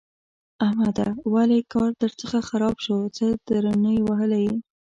احمده! ولې کار درڅخه خراب شو؛ څه درنې وهلی يې؟!